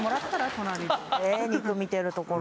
隣でえ肉見てるところ？